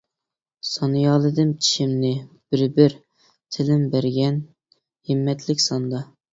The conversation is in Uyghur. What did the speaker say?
سانىيالىدىم چىشىمنى بىر-بىر، تىلىم بەرگەن ھىممەتلىك ساندا.